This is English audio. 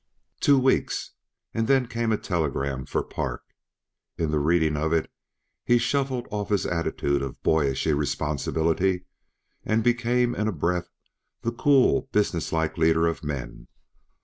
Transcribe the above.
Two weeks, and then came a telegram for Park. In the reading of it he shuffled off his attitude of boyish irresponsibility and became in a breath the cool, business like leader of men.